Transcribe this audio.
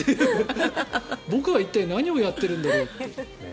僕は一体何をやってるんだろうと。